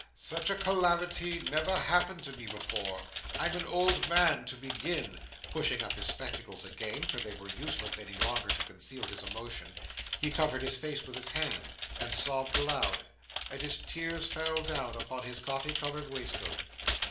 Such a calamity never happened to me before. I'm an old man to begin." Pushing up his spectacles again (for they were useless any longer to conceal his emotion), he covered his face with his hand, and sobbed aloud, and his tears fell down upon his coffee coloured waistcoat.